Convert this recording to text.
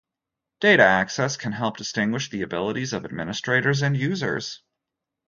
Data access can help distinguish the abilities of administrators and users.